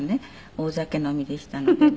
大酒飲みでしたのでね